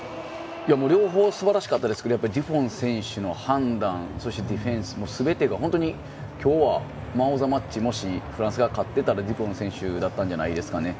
両方すばらしかったですがデュポン選手の判断そしてディフェンスとすべてが、今日はマンオブザマッチでもしフランスが勝ってたらデュポン選手だったんじゃないですかね。